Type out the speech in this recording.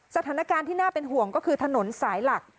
สถานการณ์ที่น่าเป็นห่วงก็คือถนนสายหลัก